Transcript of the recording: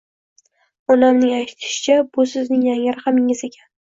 Onamning aytishicha bu sizning yangi raqamingiz ekan